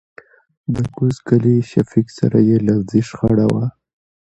دکوز کلي شفيق سره يې لفظي شخړه وه .